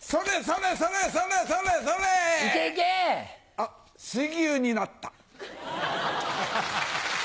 あっ水牛になった。